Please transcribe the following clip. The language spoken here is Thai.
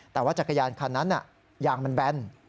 แต่ว่าจักรยานคันนั้นยางมันแบน